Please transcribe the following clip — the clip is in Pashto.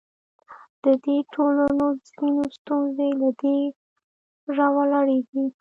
د دې ټولنو ځینې ستونزې له دې راولاړېږي.